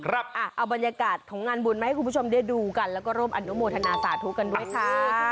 เอาบรรยากาศของงานบุญมาให้คุณผู้ชมได้ดูกันแล้วก็ร่วมอนุโมทนาสาธุกันด้วยค่ะ